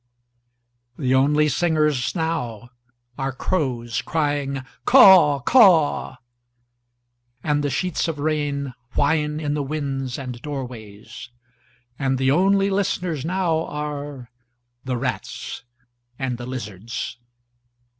The only singers now are crows crying, “Caw, caw,”And the sheets of rain whine in the wind and doorways. And the only listeners now are … the rats … and the lizards.